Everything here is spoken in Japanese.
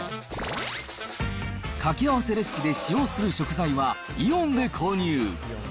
掛け合わせレシピで使用する食材はイオンで購入。